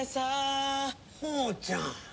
宝ちゃん。